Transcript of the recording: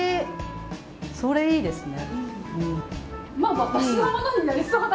それいいですね。